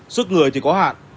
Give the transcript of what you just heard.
sức người thì có hạn